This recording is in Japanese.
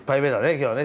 今日はね。